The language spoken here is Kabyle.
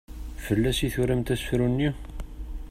Fell-as i turamt asefru-nni?